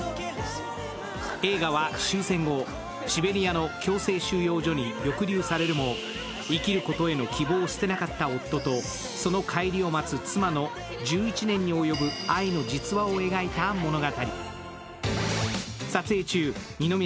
映画は終戦後、シベリアの強制収容所に抑留されるも生きることへの希望を捨てなかった夫と、その帰りを待つ妻の１１年に及ぶ愛の実話を描いた物語。